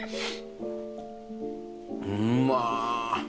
うま。